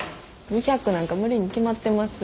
２００なんか無理に決まってます。